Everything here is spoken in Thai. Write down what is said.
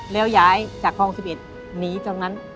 แล้วย้ายจากคลอง๑๑หนีตรงนั้น